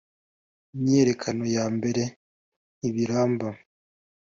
imyiyerekano yambere nibiramba